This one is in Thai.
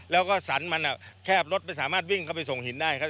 แล้วก็สรรมันแคบรถไม่สามารถวิ่งเข้าไปส่งหินได้ครับ